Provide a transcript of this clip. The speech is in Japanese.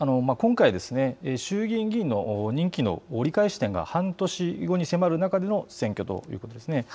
今回、衆議院議員の任期の折り返し点が半年後に迫る中での選挙になります。